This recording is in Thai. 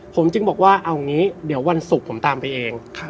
ผมจึงบอกว่าเอาอย่างนี้เดี๋ยววันศุกร์ผมตามไปเอง